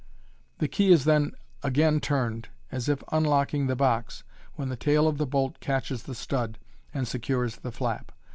The key is then again turned as if unlocking the box, when the tail of the bolt catches the stud, and secures the flap.